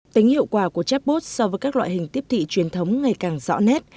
tính hiệu quả của chatbot so với các loại hình tiếp thị truyền thống ngày càng rõ nét